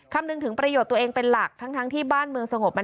คำนึงถึงประโยชน์ตัวเองเป็นหลักทั้งที่บ้านเมืองสงบ